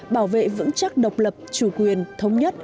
bảo vệ vững chắc độc lập chủ quyền thống nhất